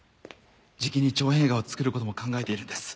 じきに長編映画を作る事も考えているんです。